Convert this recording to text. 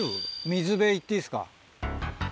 水辺行っていいですか？